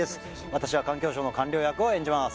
私は環境省の官僚役を演じます